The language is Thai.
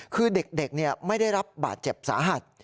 คือเด็กไม่ได้รับบาดเจ็บสาหัส